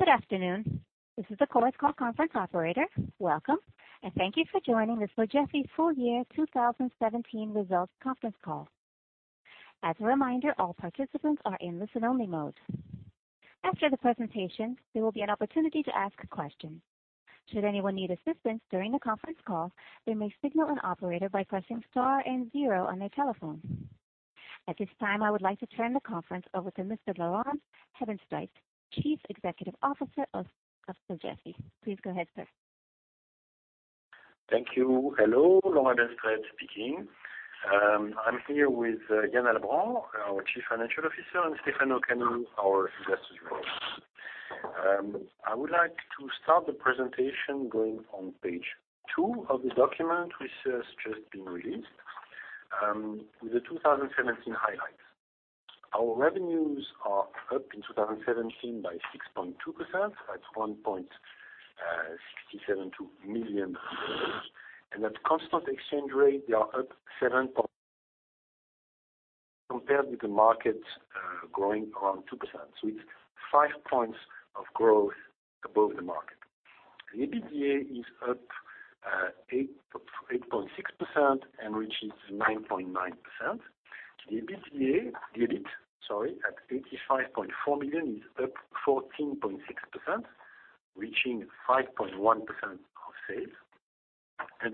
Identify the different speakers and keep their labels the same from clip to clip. Speaker 1: Good afternoon. This is the Chorus Call conference operator. Welcome, and thank you for joining the Sogefi Full Year 2017 Results Conference Call. As a reminder, all participants are in listen-only mode. After the presentation, there will be an opportunity to ask questions. Should anyone need assistance during the conference call, they may signal an operator by pressing star and zero on their telephone. At this time, I would like to turn the conference over to Mr. Laurent Hebenstreit, Chief Executive Officer of Sogefi. Please go ahead, sir.
Speaker 2: Thank you. Hello, Laurent Hebenstreit speaking. I am here with Yann Albrand, our Chief Financial Officer, and Stefano Canu, our Investor Relations. I would like to start the presentation going on page two of the document, which has just been released, with the 2017 highlights. Our revenues are up in 2017 by 6.2%, that is EUR 1.672 million. At constant exchange rate, they are up 7% compared with the market growing around 2%. It is five points of growth above the market. The EBITDA is up 8.6% and reaches 9.9%. The EBIT, sorry, at 85.4 million, is up 14.6%, reaching 5.1% of sales.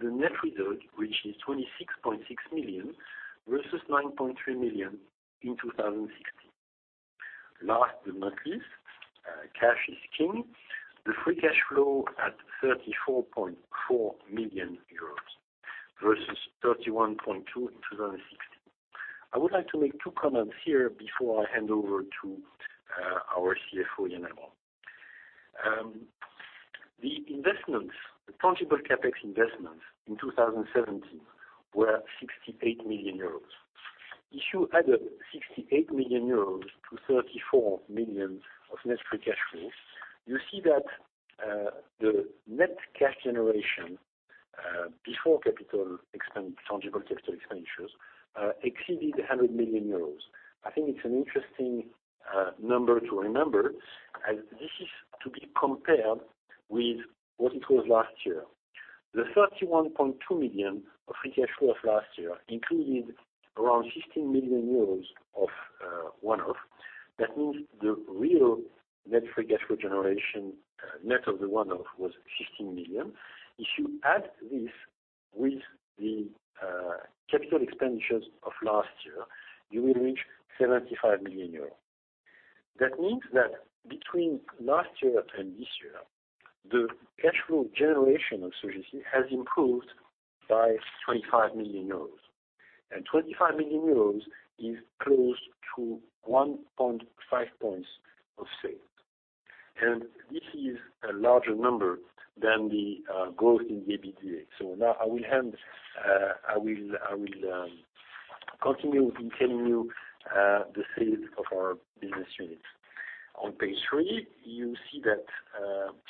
Speaker 2: The net result, which is 26.6 million versus 9.3 million in 2016. Last but not least, cash is king. The free cash flow at 34.4 million euros versus 31.2 in 2016. I would like to make two comments here before I hand over to our CFO, Yann Albrand. The tangible CapEx investments in 2017 were 68 million euros. If you add 68 million euros to 34 million of net free cash flows, you see that the net cash generation, before tangible capital expenditures, exceeded 100 million euros. I think it is an interesting number to remember, as this is to be compared with what it was last year. The 31.2 million of free cash flow of last year included around 16 million euros of one-off. That means the real net free cash flow generation net of the one-off was 16 million. If you add this with the capital expenditures of last year, you will reach 75 million euros. That means that between last year and this year, the cash flow generation of Sogefi has improved by 25 million euros. 25 million euros is close to 1.5 points of sales. This is a larger number than the growth in the EBITDA. Now I will continue telling you the sales of our business units. On page three, you see that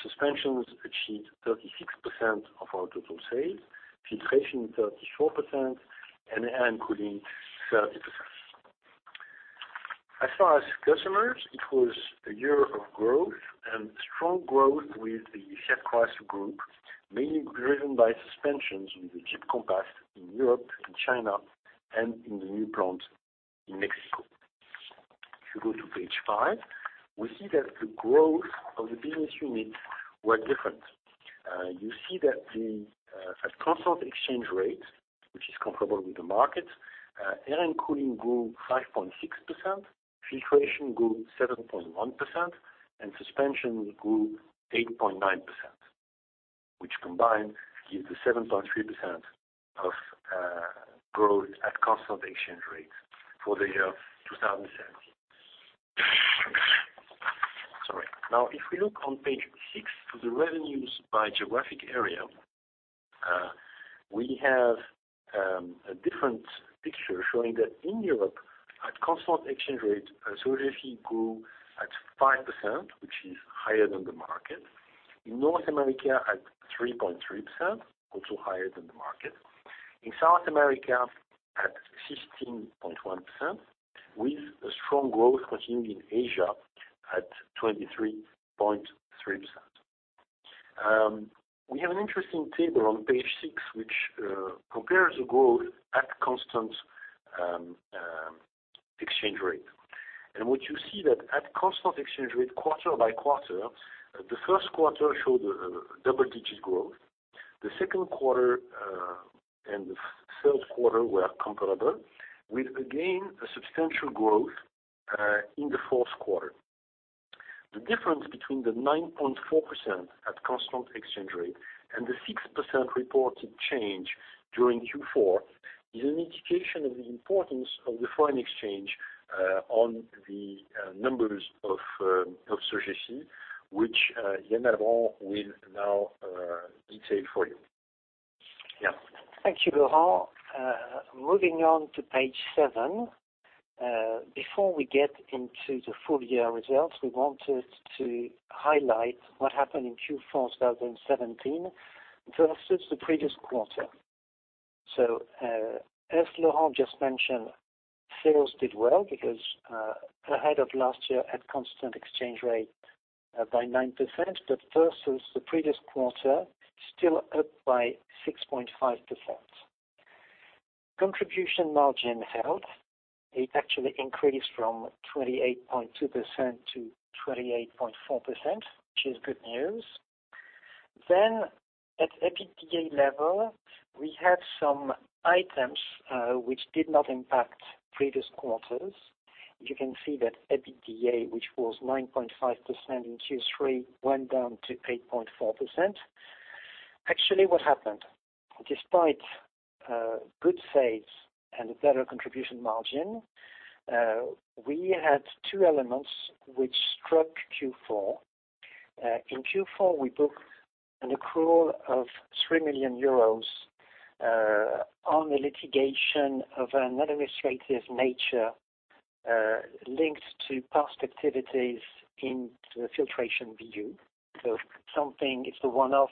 Speaker 2: Suspensions achieved 36% of our total sales, filtration 34%, and Air & Cooling 30%. As far as customers, it was a year of growth and strong growth with the Schaeffler Group, mainly driven by Suspensions with the Jeep Compass in Europe, in China, and in the new plant in Mexico. If you go to page five, we see that the growth of the business units were different. You see that at constant exchange rate, which is comparable with the market, Air & Cooling grew 5.6%, filtration grew 7.1%, and Suspensions grew 8.9%, which combined gives the 7.3% of growth at constant exchange rates for the year 2017. Sorry. If we look on page 6 to the revenues by geographic area, we have a different picture showing that in Europe, at constant exchange rate, Sogefi grew at 5%, which is higher than the market. In North America at 3.3%, also higher than the market. In South America at 16.1%, with a strong growth continuing in Asia at 23.3%. We have an interesting table on page 6 which compares the growth at constant exchange rate. What you see that at constant exchange rate, quarter by quarter, the first quarter showed a double-digit growth. The second quarter and the third quarter were comparable with, again, a substantial growth in the fourth quarter. The difference between the 9.4% at constant exchange rate and the 6% reported change during Q4 is an indication of the importance of the foreign exchange on the numbers of Sogefi, which Yann Albrand will now detail for you. Yann.
Speaker 3: Thank you, Laurent. Moving on to page 7. Before we get into the full year results, we wanted to highlight what happened in Q4 2017 versus the previous quarter. As Laurent just mentioned, sales did well because ahead of last year at constant exchange rate by 9%, but versus the previous quarter, still up by 6.5%. Contribution margin held. It actually increased from 28.2% to 28.4%, which is good news. At EBITDA level, we had some items which did not impact previous quarters. You can see that EBITDA, which was 9.5% in Q3, went down to 8.4%. Actually, what happened? Despite good sales and a better contribution margin, we had two elements which struck Q4. In Q4, we booked an accrual of 3 million euros on the litigation of an administrative nature linked to past activities into the filtration BU. Something, it's a one-off,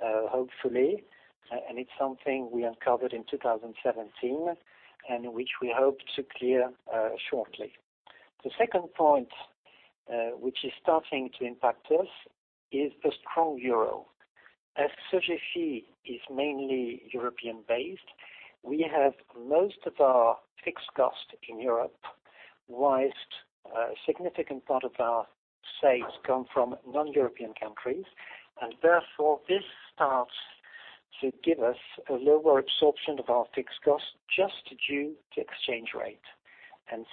Speaker 3: hopefully, and it's something we uncovered in 2017 and which we hope to clear shortly. The second point, which is starting to impact us, is the strong euro. As Sogefi is mainly European-based, we have most of our fixed cost in Europe, whilst a significant part of our sales come from non-European countries. Therefore, this starts to give us a lower absorption of our fixed cost just due to exchange rate.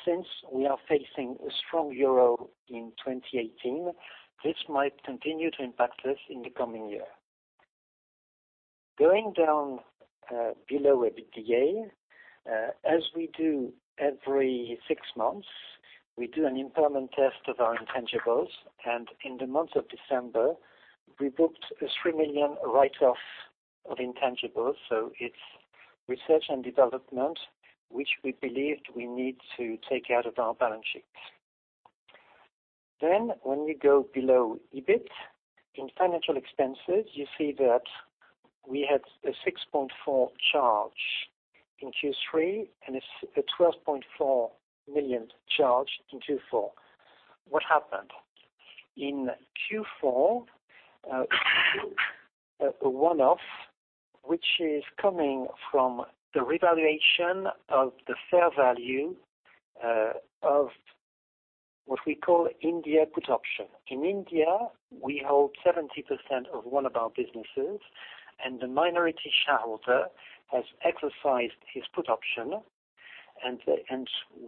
Speaker 3: Since we are facing a strong euro in 2018, this might continue to impact us in the coming year. Going down below EBITDA, as we do every 6 months, we do an impairment test of our intangibles, and in the month of December, we booked a 3 million write-off of intangibles. It's research and development, which we believed we need to take out of our balance sheets. When we go below EBIT, in financial expenses, you see that we had a 6.4 charge in Q3 and a 12.4 million charge in Q4. What happened? In Q4, a one-off, which is coming from the revaluation of the fair value of what we call India put option. In India, we hold 70% of one of our businesses, and the minority shareholder has exercised his India put option.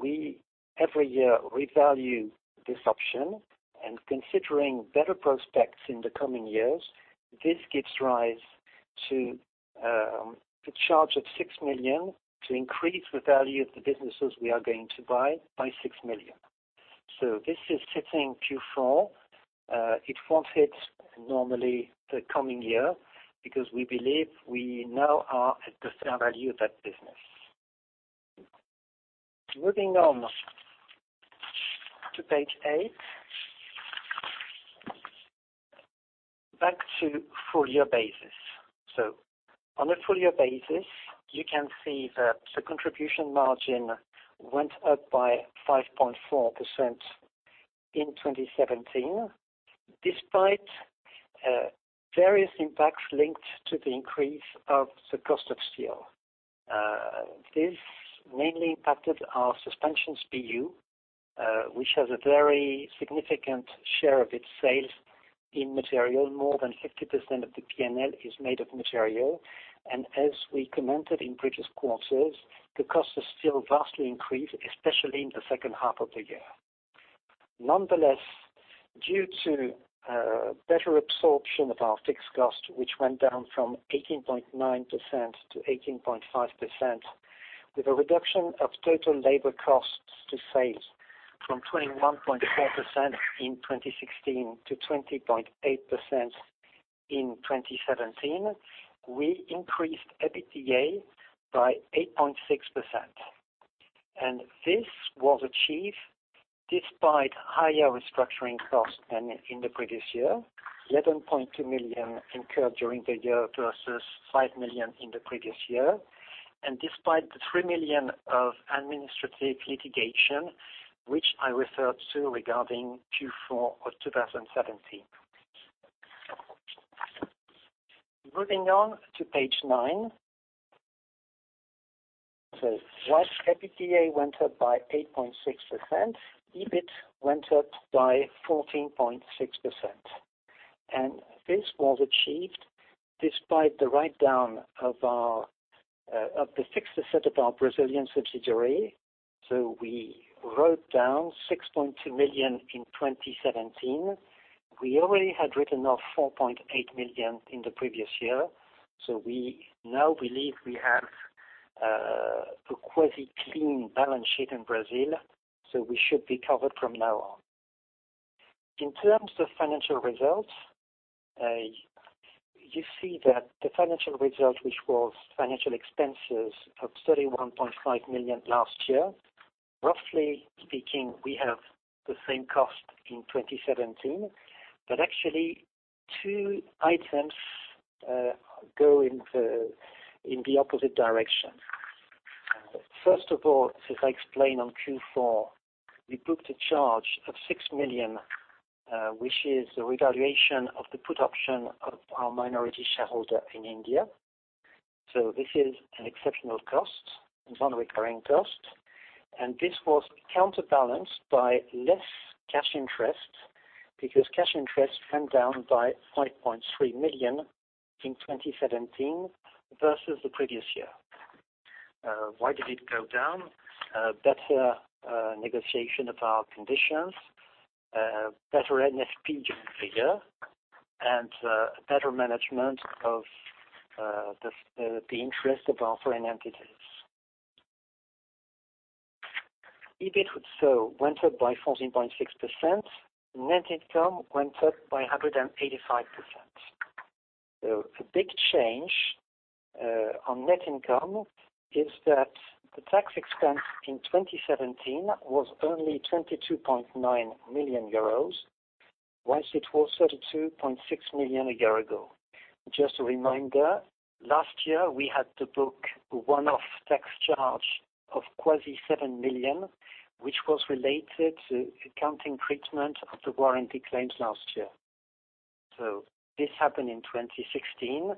Speaker 3: We, every year, revalue this option and considering better prospects in the coming years, this gives rise to a charge of 6 million to increase the value of the businesses we are going to buy by 6 million. This is hitting Q4. It won't hit normally the coming year because we believe we now are at the fair value of that business. Moving on to page 8. On a full year basis, you can see that the contribution margin went up by 5.4% in 2017, despite various impacts linked to the increase of the cost of steel. This mainly impacted our Suspensions BU which has a very significant share of its sales in material. More than 50% of the P&L is made of material. As we commented in previous quarters, the cost of steel vastly increased, especially in the second half of the year. Nonetheless, due to better absorption of our fixed cost, which went down from 18.9% to 18.5%, with a reduction of total labor costs to sales from 21.4% in 2016 to 20.8% in 2017, we increased EBITDA by 8.6%. This was achieved despite higher restructuring costs than in the previous year, 11.2 million incurred during the year versus 5 million in the previous year. Despite the 3 million of administrative litigation, which I referred to regarding Q4 of 2017. Moving on to page 9. Whilst EBITDA went up by 8.6%, EBIT went up by 14.6%. This was achieved despite the write-down of the fixed asset of our Brazilian subsidiary. We wrote down 6.2 million in 2017. We already had written off 4.8 million in the previous year. We now believe we have a quasi clean balance sheet in Brazil, so we should be covered from now on. In terms of financial results, you see that the financial result, which was financial expenses of 31.5 million last year, roughly speaking, we have the same cost in 2017. Actually, two items go in the opposite direction. First of all, as I explained on Q4, we booked a charge of 6 million, which is the revaluation of the India put option of our minority shareholder in India. This is an exceptional cost, a non-recurring cost. This was counterbalanced by less cash interest, because cash interest went down by 5.3 million in 2017 versus the previous year. Why did it go down? Better negotiation of our conditions, better NFP during the year, and better management of the interest of our foreign entities. EBIT went up by 14.6%. Net income went up by 185%. A big change on net income is that the tax expense in 2017 was only 22.9 million euros, whilst it was 32.6 million a year ago. Just a reminder, last year we had to book a one-off tax charge of quasi 7 million, which was related to accounting treatment of the warranty claims last year. This happened in 2016.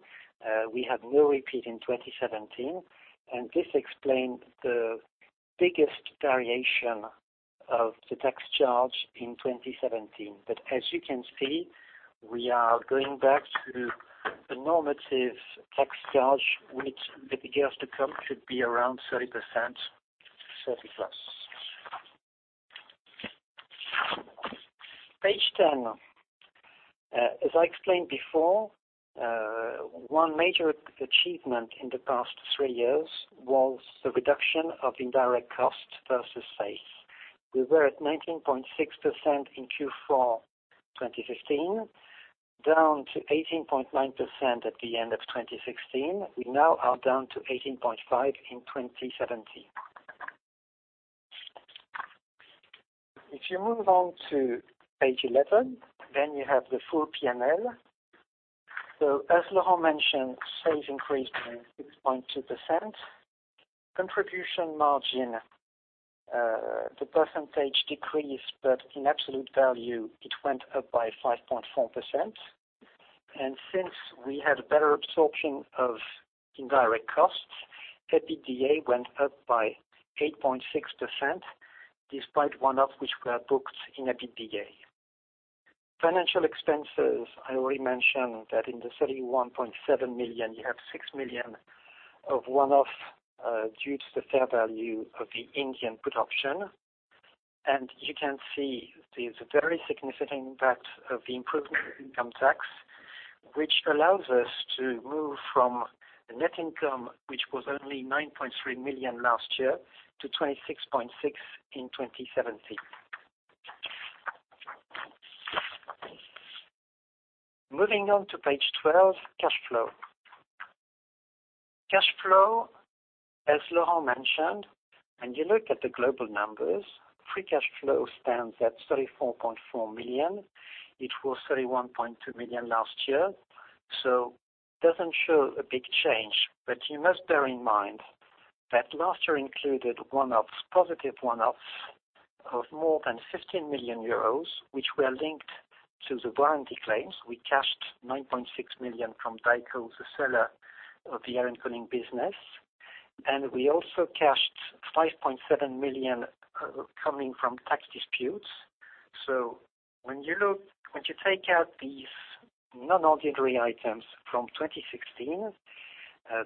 Speaker 3: We have no repeat in 2017, and this explained the biggest variation of the tax charge in 2017. As you can see, we are going back to the normative tax charge, which the figures to come should be around 30%, 30% plus. Page 10. As I explained before, one major achievement in the past three years was the reduction of indirect costs versus sales. We were at 19.6% in Q4 2015, down to 18.9% at the end of 2016. We now are down to 18.5% in 2017. If you move on to page 11, you have the full P&L. As Laurent mentioned, sales increased by 6.2%. Contribution margin, the percentage decreased, but in absolute value, it went up by 5.4%. Since we had better absorption of indirect costs, EBITDA went up by 8.6%, despite one-offs, which were booked in EBITDA. Financial expenses, I already mentioned that in the 31.7 million, you have 6 million of one-off due to the fair value of the India put option. You can see the very significant impact of the improvement in income tax, which allows us to move from a net income, which was only 9.3 million last year, to 26.6 million in 2017. Moving on to page 12, cash flow. Cash flow, as Laurent mentioned, when you look at the global numbers, free cash flow stands at 34.4 million. It was 31.2 million last year. It doesn't show a big change, but you must bear in mind that last year included positive one-offs of more than 15 million euros, which were linked to the warranty claims. We cashed 9.6 million from Dayco, the seller of the Air & Cooling business. We also cashed 5.7 million coming from tax disputes. When you take out these non-ordinary items from 2016,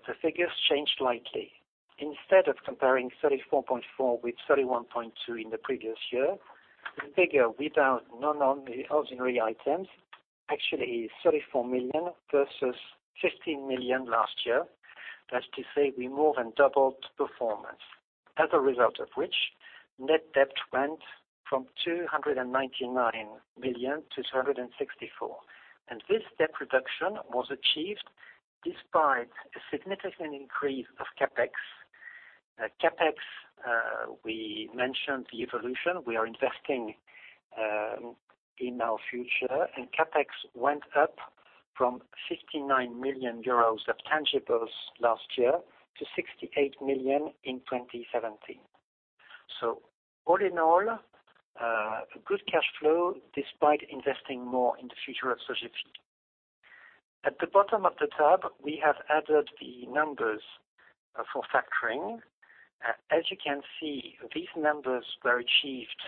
Speaker 3: the figures change slightly. Instead of comparing 34.4 million with 31.2 million in the previous year, the figure without non-ordinary items actually is 34 million versus 15 million last year. That's to say we more than doubled performance. As a result of which, net debt went from 299 million to 264 million. This debt reduction was achieved despite a significant increase of CapEx. CapEx, we mentioned the evolution. We are investing in our future, CapEx went up from 59 million euros of tangibles last year to 68 million in 2017. All in all, a good cash flow despite investing more in the future of Sogefi. At the bottom of the tab, we have added the numbers for factoring. As you can see, these numbers were achieved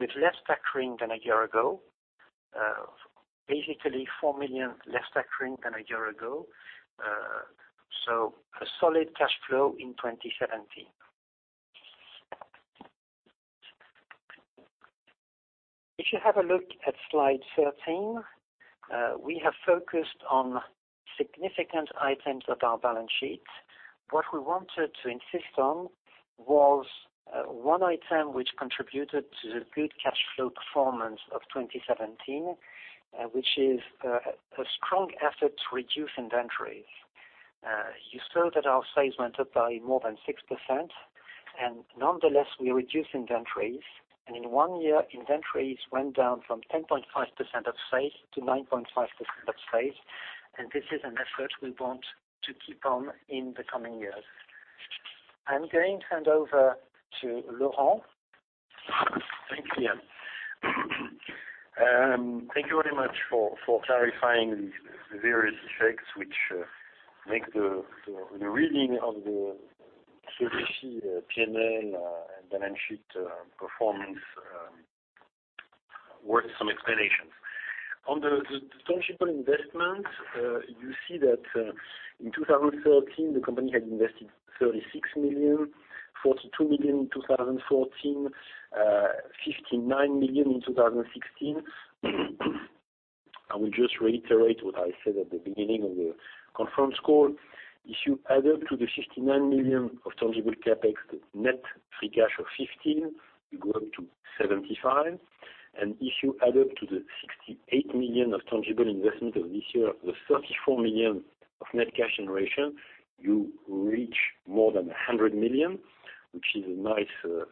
Speaker 3: with less factoring than a year ago. Basically, EUR 4 million less factoring than a year ago. A solid cash flow in 2017. If you have a look at slide 13, we have focused on significant items of our balance sheet. What we wanted to insist on was one item which contributed to the good cash flow performance of 2017, which is a strong effort to reduce inventories. You saw that our sales went up by more than 6%, nonetheless, we reduced inventories. In one year, inventories went down from 10.5% of sales to 9.5% of sales. This is an effort we want to keep on in the coming years. I'm going to hand over to Laurent.
Speaker 2: Thanks, Yann. Thank you very much for clarifying the various effects which make the reading of the Sogefi P&L and balance sheet performance worth some explanations. On the tangible investment, you see that in 2013, the company had invested 36 million, 42 million in 2014, 59 million in 2016. I will just reiterate what I said at the beginning of the conference call. If you add up to the 59 million of tangible CapEx, the net free cash of 15, you go up to 75. If you add up to the 68 million of tangible investment of this year, the 34 million of net cash generation, you reach more than 100 million, which is a nice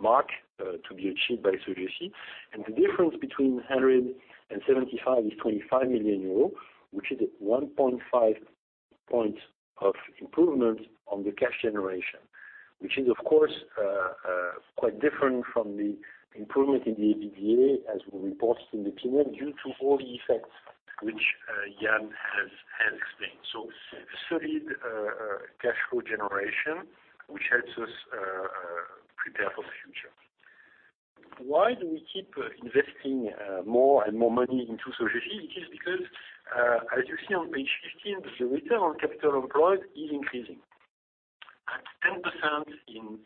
Speaker 2: mark to be achieved by Sogefi. The difference between 100 and 75 is 25 million euros, which is a 1.5 point of improvement on the cash generation. Which is, of course, quite different from the improvement in the EBITDA, as we reported in the P&L, due to all the effects which Yann has explained. A solid cash flow generation, which helps us prepare for the future. Why do we keep investing more and more money into Sogefi? It is because, as you see on page 15, the return on capital employed is increasing. At 10% in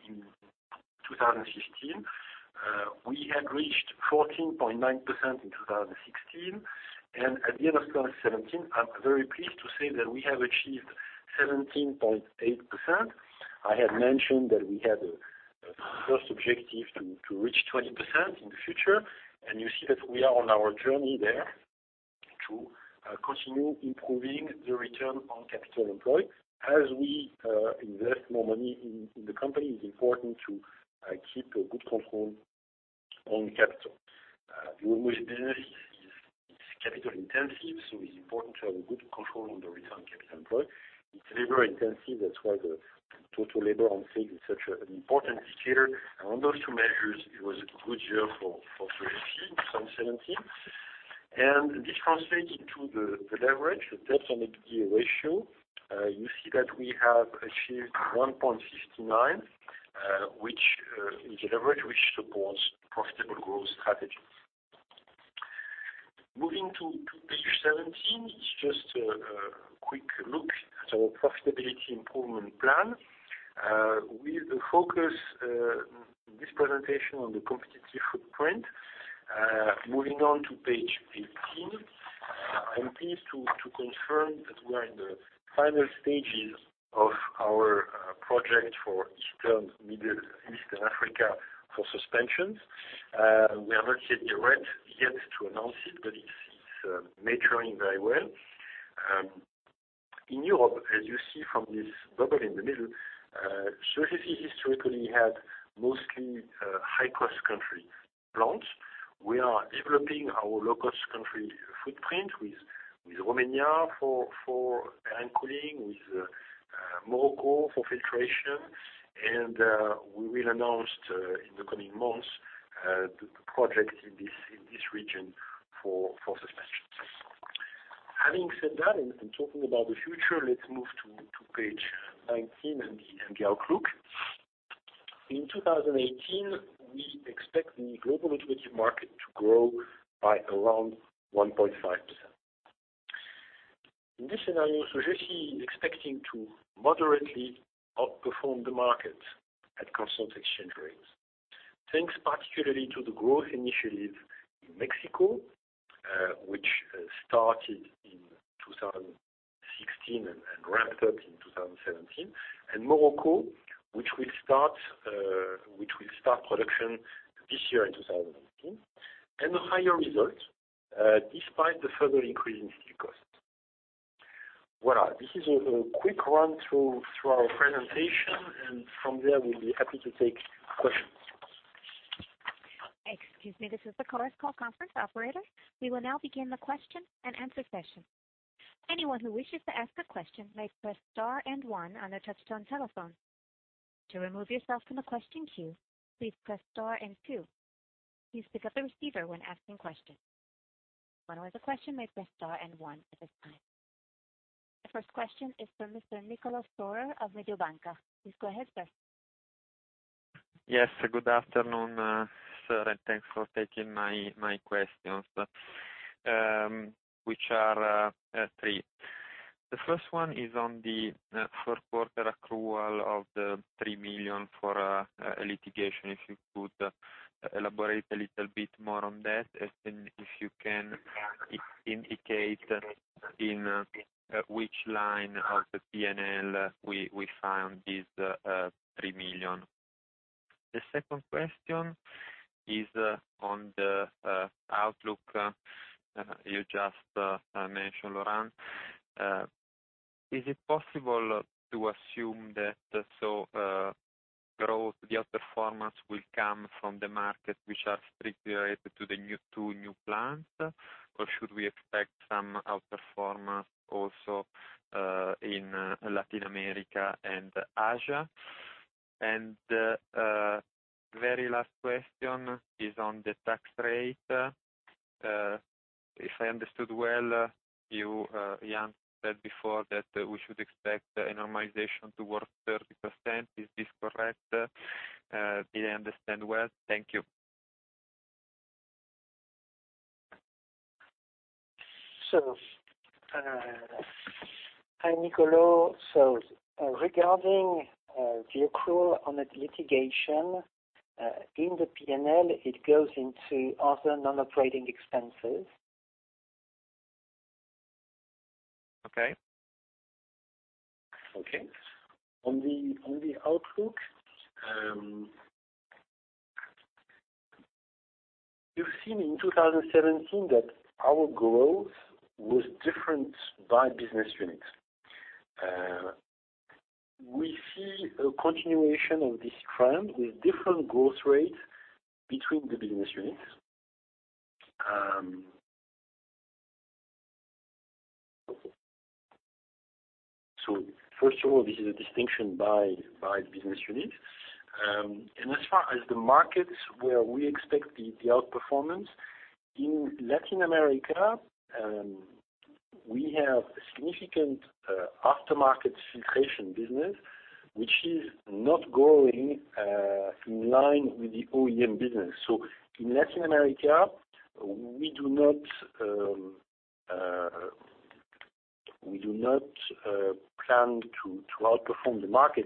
Speaker 2: 2015, we had reached 14.9% in 2016. At the end of 2017, I'm very pleased to say that we have achieved 17.8%. I had mentioned that we had a first objective to reach 20% in the future, you see that we are on our journey there to continue improving the return on capital employed. As we invest more money in the company, it's important to keep a good control on capital. The automotive business is capital intensive, it's important to have a good control on the return on capital employed. It's labor intensive, that's why the total labor on sales is such an important indicator. On those two measures, it was a good year for Sogefi, 2017. This translates into the leverage, the debt and EBITDA ratio. You see that we have achieved 1.59, which is a leverage which supports profitable growth strategy. Moving to page 17, it's just a quick look at our profitability improvement plan. We focus this presentation on the competitive footprint. Moving on to page 18, I'm pleased to confirm that we are in the final stages of our project for Eastern, Middle East, and Africa for Suspensions. We have not yet the right yet to announce it, but it's maturing very well. In Europe, as you see from this bubble in the middle, Sogefi historically had mostly high-cost country plants. We are developing our low-cost country footprint with Romania for Air & Cooling, with Morocco for filtration, and we will announce in the coming months the project in this region for Suspensions. Having said that and talking about the future, let's move to page 19 and the outlook. In 2018, we expect the global automotive market to grow by around 1.5%. In this scenario, Sogefi is expecting to moderately outperform the market at constant exchange rates. Thanks particularly to the growth initiative in Mexico, which started in 2016 and ramped up in 2017, and Morocco, which will start production this year in 2018, and a higher result despite the further increase in steel costs. Voilà. This is a quick run through our presentation, and from there, we will be happy to take questions.
Speaker 1: Excuse me. This is the Chorus Call conference operator. We will now begin the question-and-answer session. Anyone who wishes to ask a question may press star and one on their touchtone telephone. To remove yourself from the question queue, please press star and two. Please pick up the receiver when asking questions. Anyone with a question may press star and one at this time. The first question is from Mr. Niccolo Storer of Mediobanca. Please go ahead, sir.
Speaker 4: Yes. Good afternoon, sir, and thanks for taking my questions, which are three. The first one is on the fourth quarter accrual of the 3 million for litigation. If you could elaborate a little bit more on that, and if you can indicate in which line of the P&L we found this 3 million. The second question is on the outlook you just mentioned, Laurent. Is it possible to assume that the outperformance will come from the markets which are strictly related to the two new plants? Or should we expect some outperformance also in Latin America and Asia? Very last question is on the tax rate. If I understood well, you, Yann, said before that we should expect a normalization towards 30%. Is this correct? Did I understand well? Thank you.
Speaker 2: Hi, Niccolo. Regarding the accrual on the litigation, in the P&L, it goes into other non-operating expenses.
Speaker 4: Okay.
Speaker 2: Okay. On the outlook, you've seen in 2017 that our growth was different by business units. We see a continuation of this trend with different growth rates between the business units. First of all, this is a distinction by business units. As far as the markets where we expect the outperformance, in Latin America, we have a significant aftermarket filtration business, which is not growing in line with the OEM business. In Latin America, we do not plan to outperform the market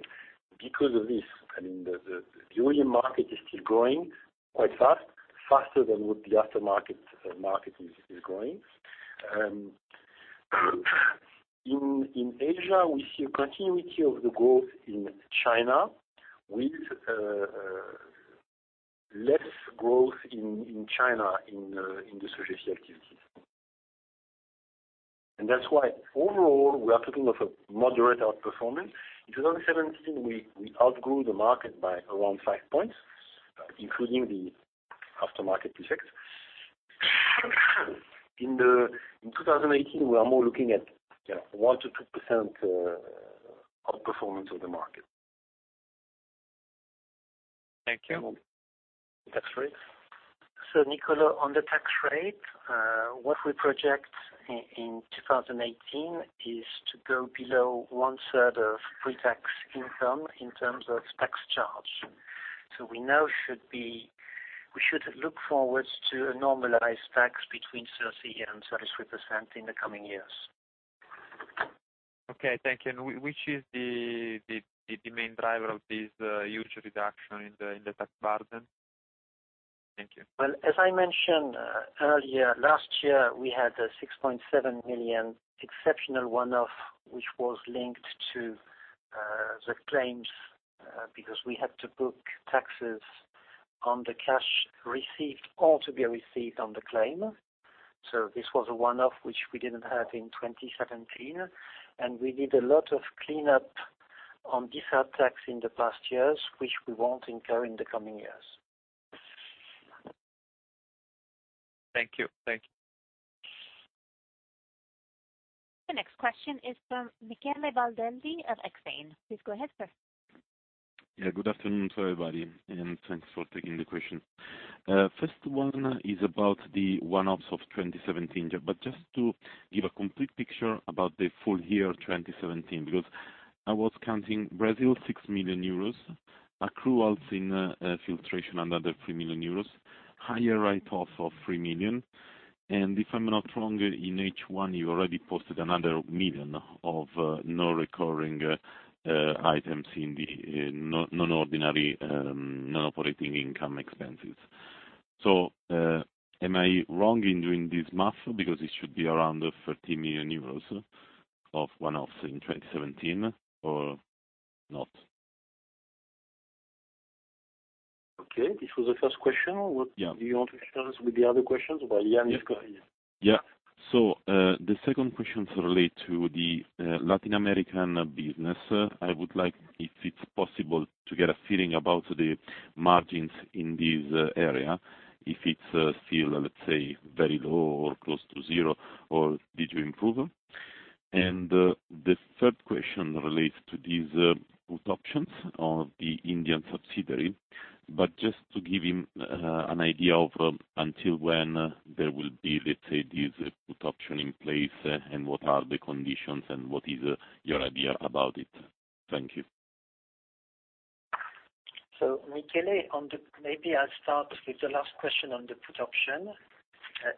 Speaker 2: because of this. The OEM market is still growing quite fast, faster than what the aftermarket market is growing. In Asia, we see a continuity of the growth in China with less growth in China in the Sogefi activities. That's why overall, we are talking of a moderate outperformance. In 2017, we outgrew the market by around five points, including the aftermarket effect. In 2018, we are more looking at 1%-2% outperformance of the market.
Speaker 4: Thank you.
Speaker 2: Tax rate.
Speaker 3: Niccolo, on the tax rate, what we project in 2018 is to go below one-third of pre-tax income in terms of tax charge. We now should look forward to a normalized tax between 30% and 33% in the coming years.
Speaker 4: Okay, thank you. Which is the main driver of this huge reduction in the tax burden? Thank you.
Speaker 3: Well, as I mentioned earlier, last year, we had a 6.7 million exceptional one-off, which was linked to the claims because we had to book taxes on the cash received, or to be received on the claim. This was a one-off, which we didn't have in 2017, we did a lot of cleanup on deferred tax in the past years, which we won't incur in the coming years.
Speaker 4: Thank you.
Speaker 1: The next question is from Michele Baldelli of Exane. Please go ahead, sir.
Speaker 5: Yeah. Good afternoon to everybody. Thanks for taking the question. First one is about the one-offs of 2017. Just to give a complete picture about the full year 2017, I was counting Brazil, 6 million euros, accruals in filtration, another 3 million euros, higher write-off of 3 million. If I'm not wrong, in H1, you already posted another 1 million of non-reoccurring items in the non-ordinary non-operating income expenses. Am I wrong in doing this math? It should be around 30 million euros of one-offs in 2017 or not?
Speaker 2: Okay, this was the first question.
Speaker 5: Yeah.
Speaker 2: Do you want to continue with the other questions while Yann is going?
Speaker 5: The second question relates to the Latin American business. I would like, if it's possible, to get a feeling about the margins in this area. If it's still, let's say, very low or close to zero, or did you improve them? The third question relates to these put options of the Indian subsidiary, but just to give him an idea of until when there will be, let's say, these put option in place and what are the conditions and what is your idea about it. Thank you.
Speaker 3: Michele, maybe I'll start with the last question on the put option.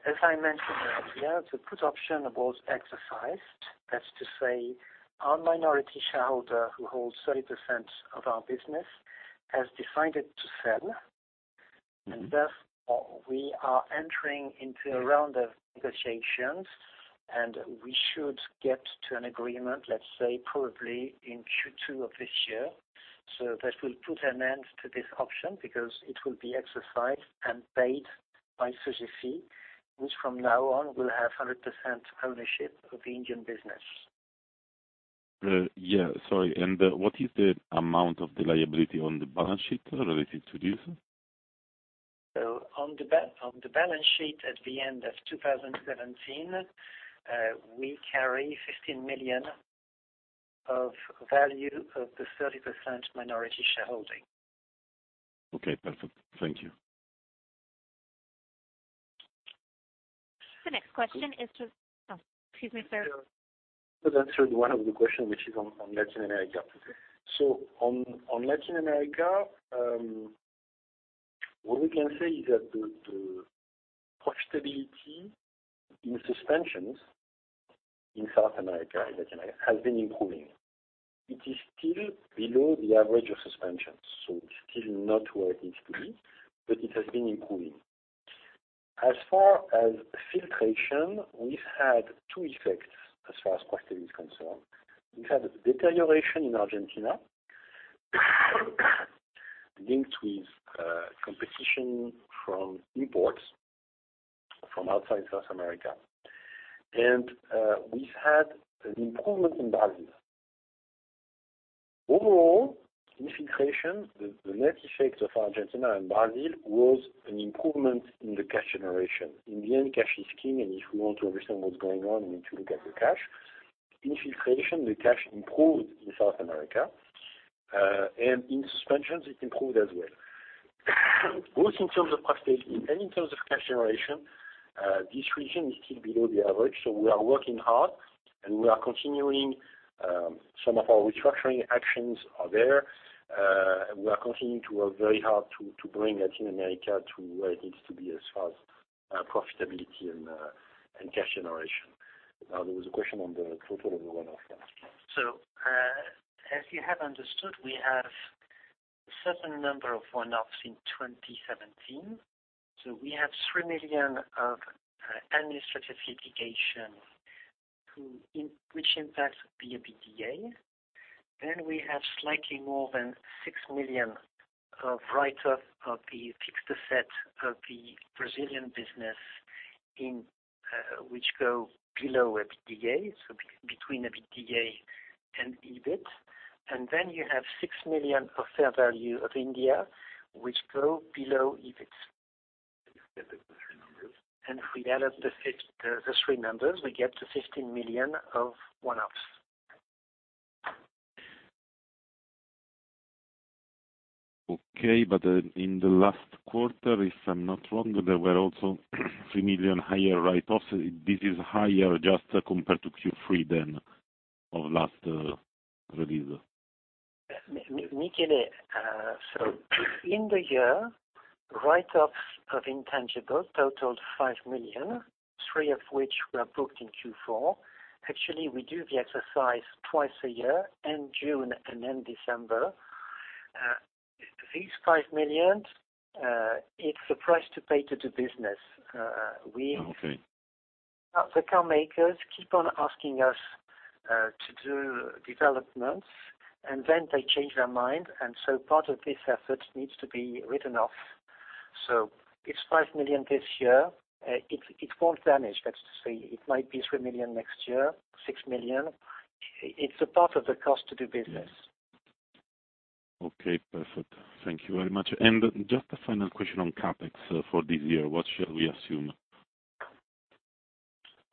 Speaker 3: As I mentioned earlier, the put option was exercised. That's to say, our minority shareholder, who holds 30% of our business, has decided to sell. Thus, we are entering into a round of negotiations, and we should get to an agreement, let's say probably in Q2 of this year. That will put an end to this option because it will be exercised and paid by Sogefi, which from now on will have 100% ownership of the Indian business.
Speaker 5: Yeah. Sorry. What is the amount of the liability on the balance sheet related to this?
Speaker 3: On the balance sheet at the end of 2017, we carry 15 million of value of the 30% minority shareholding.
Speaker 5: Okay, perfect. Thank you.
Speaker 1: The next question is to Oh, excuse me, sir.
Speaker 2: To answer one of the questions, which is on Latin America. On Latin America, what we can say is that the profitability in Suspensions in South America, Latin America, has been improving. It is still below the average of Suspensions, so it's still not where it needs to be, but it has been improving. As far as filtration, we've had two effects as far as profitability is concerned. We've had a deterioration in Argentina linked with competition from imports from outside South America. We've had an improvement in Brazil. Overall, in filtration, the net effect of Argentina and Brazil was an improvement in the cash generation. In the end, cash is king, and if we want to understand what's going on, we need to look at the cash. In filtration, the cash improved in South America, and in Suspensions it improved as well. Both in terms of profitability and in terms of cash generation, this region is still below the average. We are working hard and we are continuing. Some of our restructuring actions are there. We are continuing to work very hard to bring Latin America to where it needs to be as far as profitability and cash generation. Now, there was a question on the total of the one-offs.
Speaker 3: As you have understood, we have a certain number of one-offs in 2017. We have 3 million of administrative litigation, which impacts the EBITDA. We have slightly more than 6 million of write-off of the fixed asset of the Brazilian business, which go below EBITDA, between EBITDA and EBIT. You have 6 million of fair value of India, which go below EBIT.
Speaker 2: You get the three numbers.
Speaker 3: If we add up the three numbers, we get the 15 million of one-offs.
Speaker 5: Okay. In the last quarter, if I'm not wrong, there were also 3 million higher write-offs. This is higher just compared to Q3 then of last release.
Speaker 3: Michele, in the year, write-off of intangibles totaled 5 million, 3 of which were booked in Q4. Actually, we do the exercise twice a year, in June and in December. These 5 million, it is the price to pay to do business.
Speaker 5: Okay.
Speaker 3: The car makers keep on asking us to do developments. They change their mind, and part of this effort needs to be written off. It is 5 million this year. It will not damage, let us just say. It might be 3 million next year, 6 million. It is a part of the cost to do business.
Speaker 5: Yes. Okay, perfect. Thank you very much. Just a final question on CapEx for this year. What shall we assume?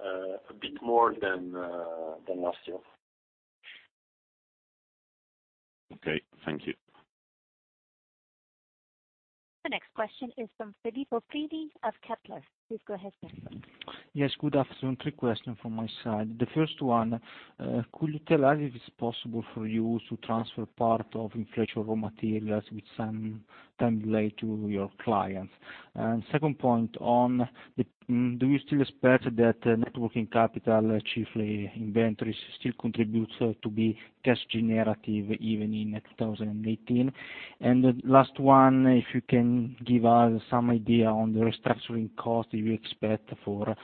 Speaker 2: A bit more than last year.
Speaker 5: Okay. Thank you.
Speaker 1: The next question is from Filippo Prini of Kepler. Please go ahead, sir.
Speaker 6: Yes, good afternoon. Three questions from my side. The first one, could you tell us if it's possible for you to transfer part of inflation of raw materials with some time delay to your clients? Second point, do you still expect that net working capital, chiefly inventories, still contributes to be cash-generative even in 2018? Last one, if you can give us some idea on the restructuring cost you expect for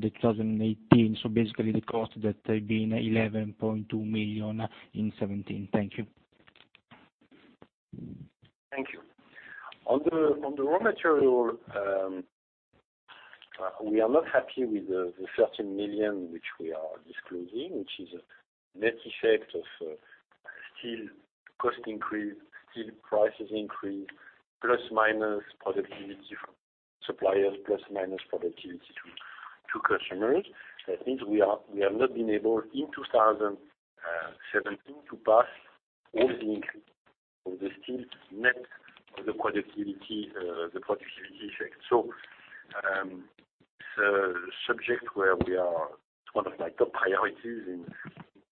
Speaker 6: 2018, so basically the cost that have been 11.2 million in 2017. Thank you.
Speaker 2: Thank you. On the raw material, we are not happy with the 13 million which we are disclosing, which is a net effect of steel cost increase, steel prices increase, plus or minus productivity from suppliers, plus or minus productivity to customers. That means we have not been able, in 2017, to pass all the increase of the steel net of the productivity effect. It's one of my top priorities in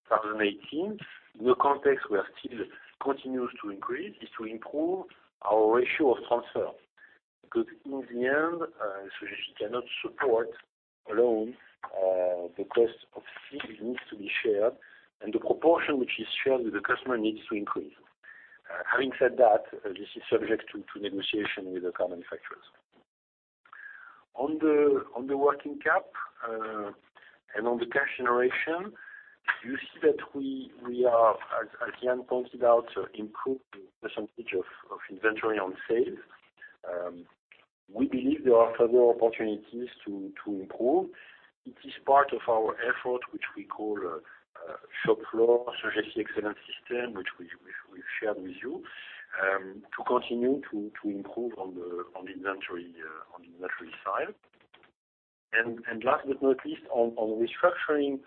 Speaker 2: 2018. In the context where steel continues to increase, is to improve our ratio of transfer. In the end, Sogefi cannot support alone the cost of steel. It needs to be shared. The proportion which is shared with the customer needs to increase. Having said that, this is subject to negotiation with the car manufacturers. On the working cap and on the cash generation, you see that we are, as Yann pointed out, improved the percentage of inventory on sales. We believe there are further opportunities to improve. It is part of our effort, which we call shop floor Sogefi Excellence System, which we've shared with you, to continue to improve on the inventory side. Last but not least, on restructuring,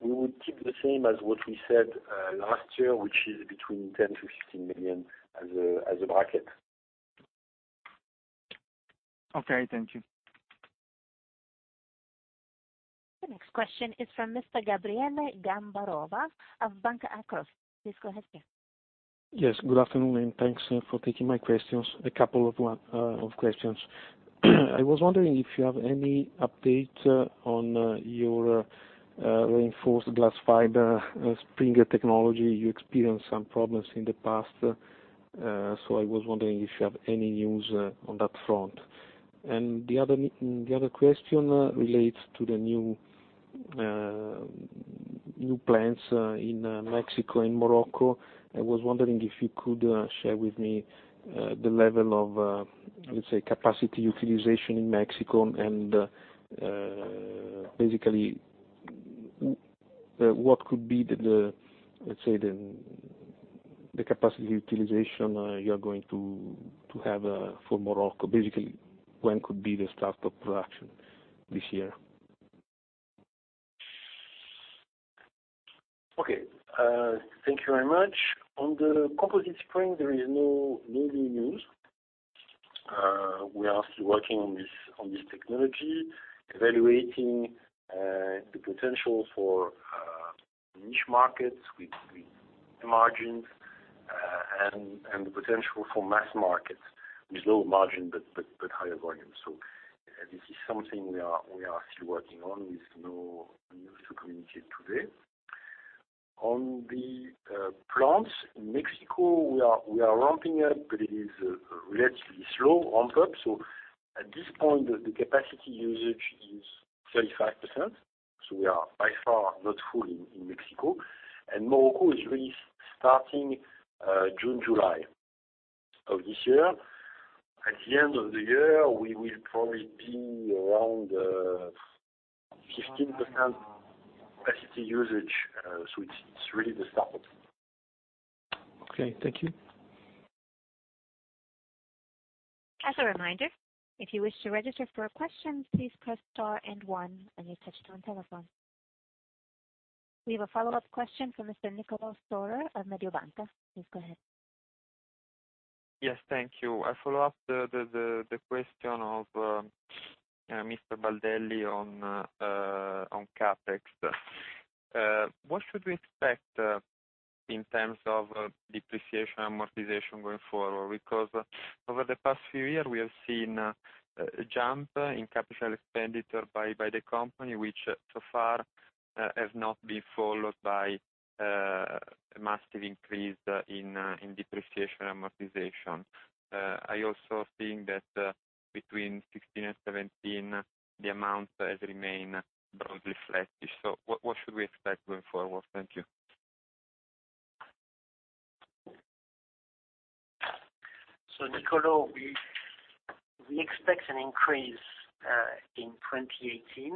Speaker 2: we would keep the same as what we said last year, which is between 10 million-15 million as a bracket.
Speaker 6: Okay. Thank you.
Speaker 1: The next question is from Mr. Gabriele Gambarova of Banca Akros. Please go ahead, sir.
Speaker 7: Yes, good afternoon, and thanks for taking my questions. A couple of questions. I was wondering if you have any update on your reinforced glass fiber spring technology. You experienced some problems in the past, so I was wondering if you have any news on that front. The other question relates to the new plants in Mexico and Morocco. I was wondering if you could share with me the level of, let's say, capacity utilization in Mexico and basically, what could be the, let's say, the capacity utilization you're going to have for Morocco. Basically, when could be the start of production this year?
Speaker 2: Okay. Thank you very much. On the composite spring, there is no new news. We are still working on this technology, evaluating the potential for niche markets with margins, and the potential for mass markets with low margin but higher volume. This is something we are still working on with no news to communicate today. On the plants, in Mexico, we are ramping up, but it is a relatively slow ramp-up. At this point, the capacity usage is 35%, we are by far not full in Mexico. Morocco is really starting June, July of this year. At the end of the year, we will probably be around 15% capacity usage. It's really the start.
Speaker 7: Okay. Thank you.
Speaker 1: As a reminder, if you wish to register for a question, please press star and one on your touch-tone telephone. We have a follow-up question from Mr. Niccolo Storer of Mediobanca. Please go ahead.
Speaker 4: Yes. Thank you. I follow up the question of Mr. Baldelli on CapEx. What should we expect in terms of depreciation amortization going forward? Over the past few years, we have seen a jump in capital expenditure by the company, which so far has not been followed by a massive increase in depreciation amortization. I also think that between 2016 and 2017, the amount has remained broadly flat-ish. What should we expect going forward? Thank you.
Speaker 3: Niccolo, we expect an increase in 2018.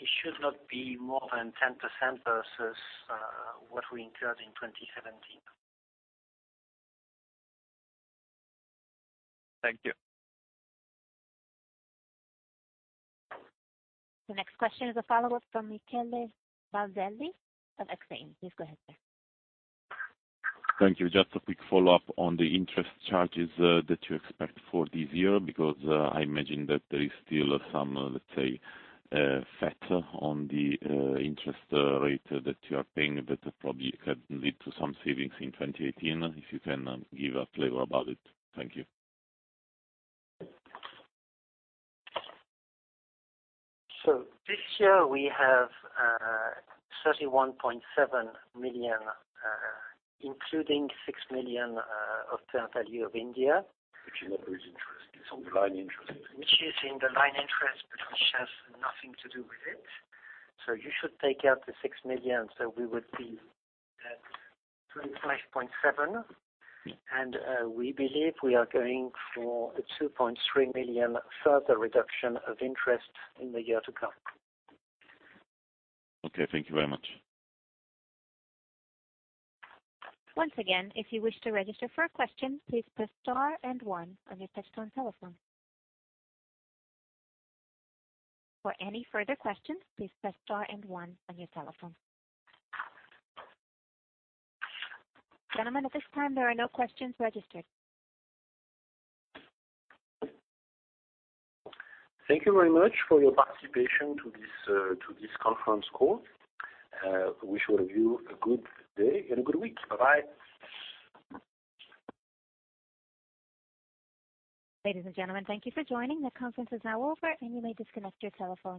Speaker 3: It should not be more than 10% versus what we incurred in 2017.
Speaker 4: Thank you.
Speaker 1: The next question is a follow-up from Michele Baldelli of Exane. Please go ahead, sir.
Speaker 5: Thank you. Just a quick follow-up on the interest charges that you expect for this year, because I imagine that there is still some, let's say, fat on the interest rate that you are paying that probably can lead to some savings in 2018. If you can give a flavor about it. Thank you.
Speaker 3: This year, we have 31.7 million, including 6 million of fair value of India.
Speaker 2: Which is operating interest. It's on the line interest.
Speaker 3: Which is in the line interest, but which has nothing to do with it. You should take out the 6 million, we would be at 25.7 million, we believe we are going for a 2.3 million further reduction of interest in the year to come.
Speaker 5: Okay. Thank you very much.
Speaker 1: Once again, if you wish to register for a question, please press star one on your touch-tone telephone. For any further questions, please press star one on your telephone. Gentlemen, at this time, there are no questions registered.
Speaker 2: Thank you very much for your participation to this conference call. I wish all of you a good day and a good week. Bye-bye.
Speaker 1: Ladies and gentlemen, thank you for joining. The conference is now over, and you may disconnect your telephones.